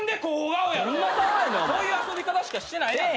こういう遊び方しかしてない。